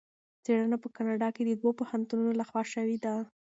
څېړنه په کاناډا کې د دوه پوهنتونونو لخوا شوې ده.